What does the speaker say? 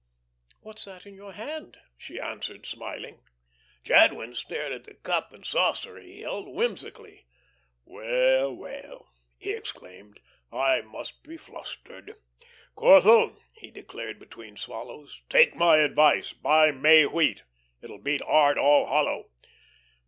"What's that in your hand?" she answered, smiling. Jadwin stared at the cup and saucer he held, whimsically. "Well, well," he exclaimed, "I must be flustered. Corthell," he declared between swallows, "take my advice. Buy May wheat. It'll beat art all hollow."